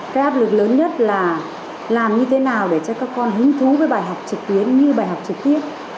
cái áp lực lớn nhất là làm như thế nào để cho các con hứng thú với bài học trực tuyến như bài học trực tiếp